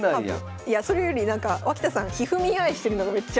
いやそれよりなんか脇田さんがひふみんアイしてるのがめっちゃ。